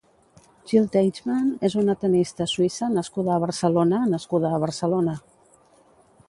Jil Teichmann és una tennista suïssa nascuda a Barcelona nascuda a Barcelona.